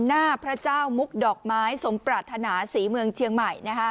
หน้าพระเจ้ามุกดอกไม้สมปรารถนาศรีเมืองเชียงใหม่